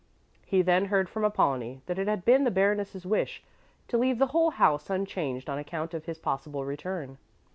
He then heard from Apollonie that it had been the Baroness' wish to leave the whole house unchanged on account of his possible return.